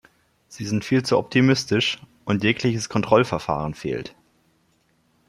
Sie sind viel zu optimistisch, und jegliches Kontrollverfahren fehlt.